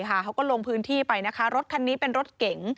เขาก็ลงพื้นที่ไปนะคะรถคันนี้เป็นรถเก๋ง